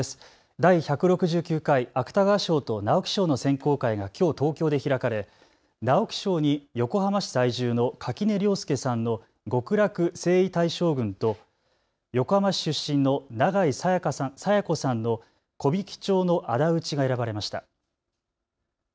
第１６９回芥川賞と直木賞の選考会がきょう東京で開かれ直木賞に横浜市在住の垣根涼介さんの極楽征夷大将軍と横浜市出身の永井紗耶子さんの木挽町のあだ討ちが選ばれました。